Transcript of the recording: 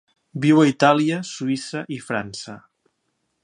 Viu a Itàlia, Suïssa i França.